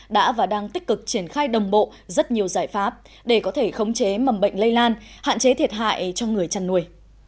đã và đang tích cực triển khai đồng bộ rất nhiều giải pháp để có thể khống chế mầm bệnh lây lan hạn chế thiệt hại cho người chăn nuôi